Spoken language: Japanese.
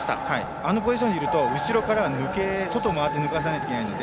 あのポジションにいると後ろからは外を回って抜かさないといけないので。